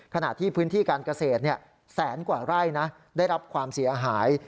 ขณะที่พื้นที่การเกษตรแสนกว่าไร่นะได้รับความเสียหาย